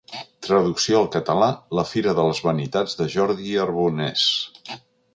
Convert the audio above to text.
Traducció al català La fira de les vanitats de Jordi Arbonès.